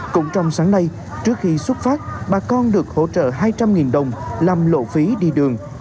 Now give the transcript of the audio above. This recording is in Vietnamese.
cũng trong sáng nay trước khi xuất phát bà con được hỗ trợ hai trăm linh đồng làm lộ phí đi đường